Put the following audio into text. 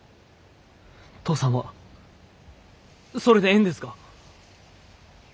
父さんはそれでえんですか？